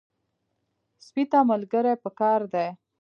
سپي ته ملګري پکار دي.